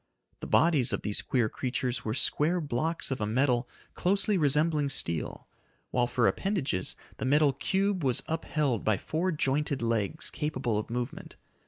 The bodies of these queer creatures were square blocks of a metal closely resembling steel, while for appendages, the metal cube was upheld by four jointed legs capable of movement.